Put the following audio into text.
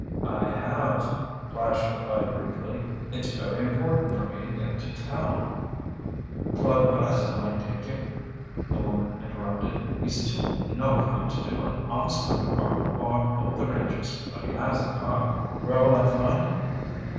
"I have," Flash replied briefly. "It's very important for me to get to town—" "Claude Geiser might take you," the woman interrupted. "He's too no account to do an honest lick of work or help the rangers, but he has a car." "Where will I find him?"